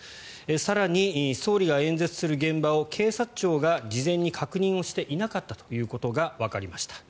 更に総理が演説する現場を警察庁が事前に確認をしていなかったということがわかりました。